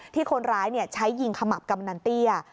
ที่คนร้ายใช้ยิงขมับกำนันเตี้ย